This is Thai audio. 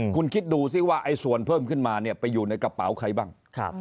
คุณคิดดูสิว่าไอ้ส่วนเพิ่มขึ้นมาเนี่ยไปอยู่ในกระเป๋าใครบ้าง